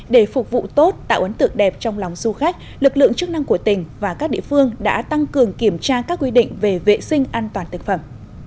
để phục vụ tốt tạo ấn tượng đẹp trong lòng du khách lực lượng chức năng của tỉnh và các địa phương đã tăng cường kiểm tra các quy định về vệ sinh an toàn thực phẩm